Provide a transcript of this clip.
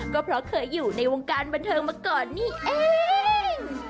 ก็เพราะเคยอยู่ในวงการบันเทิงมาก่อนนี่เอง